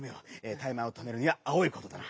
タイマーをとめるには青いコードだな。